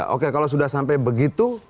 oke kalau sudah sampai begitu